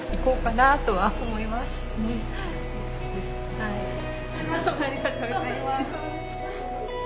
ありがとうございます。